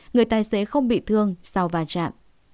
người tài xế không bị thương sau và chạm